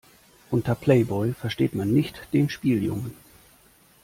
Unter Playboy versteht man nicht den Spieljungen.